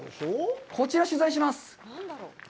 こちら取材します。